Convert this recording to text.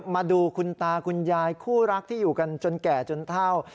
มาดูคุณตาคุณยายคู่รักที่อยู่กันจนแก่จนเท่า